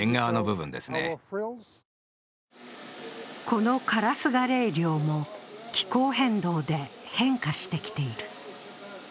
このカラスガレイ漁も気候変動で変化してきている。